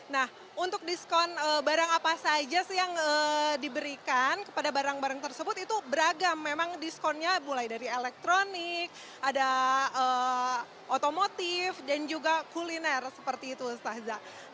nah untuk diskon barang apa saja sih yang diberikan kepada barang barang tersebut itu beragam memang diskonnya mulai dari elektronik ada otomotif dan juga kuliner seperti itu staza